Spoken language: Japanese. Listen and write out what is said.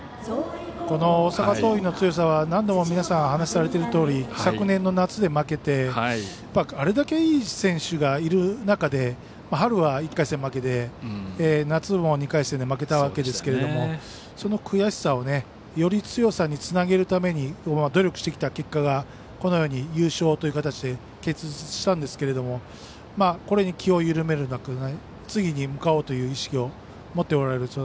大阪桐蔭の強さは何度も皆さんお話されているとおり昨年の夏で負けてあれだけいい選手がいる中で春は１回戦負けで夏も２回戦で負けたわけですけどその悔しさをより強さにつなげるために努力してきた結果がこのように優勝という形で結実したんですけどこれに気を緩めることなく次に向かおうという意識を持っておられる。